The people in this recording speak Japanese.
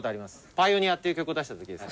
『パイオニア』っていう曲を出した時です。